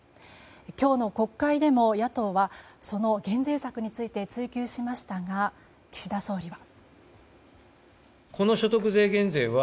今日の国会でも野党はその減税策について追及しましたが岸田総理は。